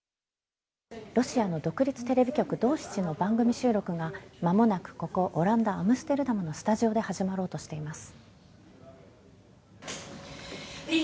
ロシアの独立テレビ局、ドーシチの番組収録が、まもなくここ、オランダ・アムステルダムのスタジオで始まろうとしています。